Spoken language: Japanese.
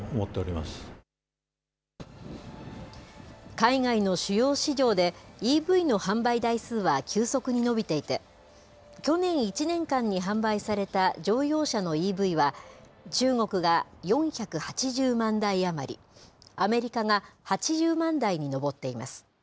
海外の主要市場で、ＥＶの販売台数は急速に伸びていて、去年１年間に販売された乗用車のＥＶは、中国が４８０万台余り、アメリカが８０万台に上っています。